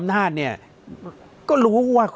แล้วก็ล้ามกะ